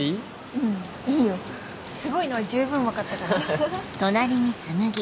うんいいよすごいのは十分分かったから。